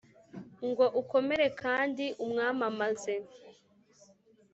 ngo ukomere kandi umwamamaze